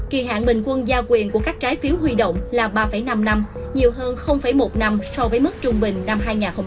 kỳ hạn bình quân giao quyền của các trái phiếu huy động là ba năm năm nhiều hơn một năm so với mức trung bình năm hai nghìn một mươi bảy